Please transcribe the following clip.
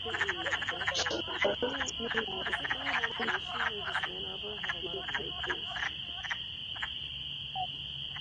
Kuwait na Marekani Vita vya pili vya ghuba ya elfu mbili na tatu